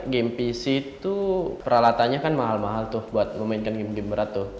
game pc itu peralatannya kan mahal mahal tuh buat memainkan game game berat tuh